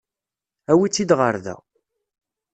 Awi-tt-id ɣer da.